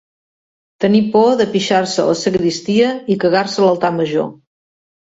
Tenir por de pixar-se a la sagristia i cagar-se a l'altar major.